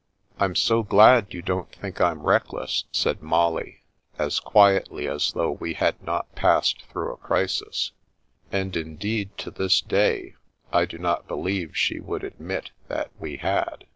" I'm so glad you don't think I'm reckless," said Molly, as quietly as though we had not passed through a crisis ; and indeed to this day I do not be lieve she would admit that we had.